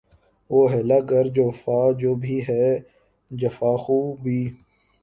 وہ حیلہ گر جو وفا جو بھی ہے جفاخو بھی